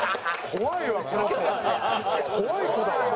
怖い子だわ。